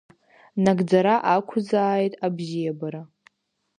Нагӡара ақәзааит абзиабара!